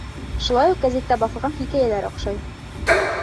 Шулай уҡ гәзиттә баҫылған хикәйәләр оҡшай.